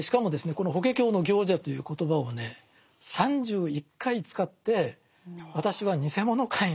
この「法華経の行者」という言葉をね３１回使って私はにせものかいなと。